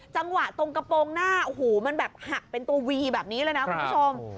จังหวะตรงกระโปรงหน้าโอ้โหมันแบบหักเป็นตัววีแบบนี้เลยนะคุณผู้ชม